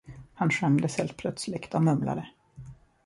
Han skämdes helt plötsligt och mumlade.